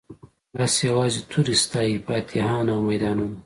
بس یوازي توري ستايی فاتحان او میدانونه